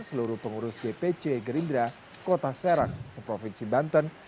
seluruh pengurus dpc gerindra kota serang seprovinsi banten